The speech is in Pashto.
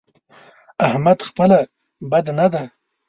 احمد خپله بد نه دی؛